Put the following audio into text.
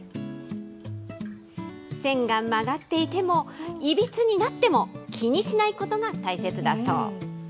線が曲がっていても、いびつになっても、気にしないことが大切だそう。